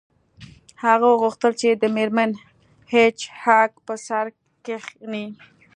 هغه غوښتل چې د میرمن هیج هاګ په سر کښینی